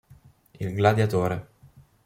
Il gladiatore.